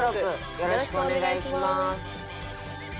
よろしくお願いします。